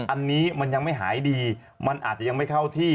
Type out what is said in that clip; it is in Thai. อันนี้มันยังไม่หายดีมันอาจจะยังไม่เข้าที่